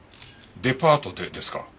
デパートでですか？